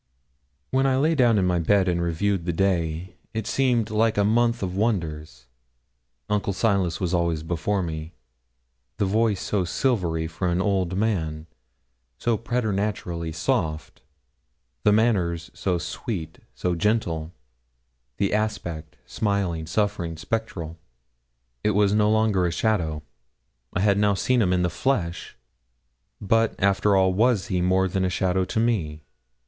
When I lay down in my bed and reviewed the day, it seemed like a month of wonders. Uncle Silas was always before me; the voice so silvery for an old man so preternaturally soft; the manners so sweet, so gentle; the aspect, smiling, suffering, spectral. It was no longer a shadow; I had now seen him in the flesh. But, after all, was he more than a shadow to me?